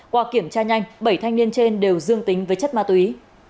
qua kiểm tra nhanh bảy thanh niên trên đều dương tính với chất ma túy